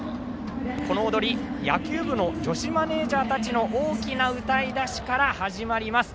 この踊り、野球部の女子マネージャーたちの大きな踊り出しから始まります。